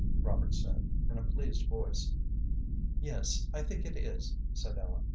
Robert said, in a pleased voice. "Yes, I think it is," said Ellen.